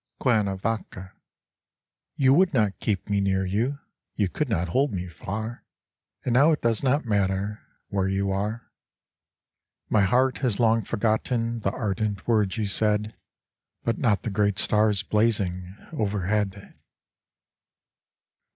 CUERNAVACA You would not keep me near you, You could not hold me far, And now it does not matter Where you are. 78 Cuernavaca My heart has long forgotten The ardent words you said, But not the great stars blazing Overhead